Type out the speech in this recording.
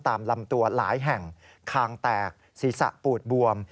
ตามลำตัวหลายแห่งคางแตกศีรษะปูดบวม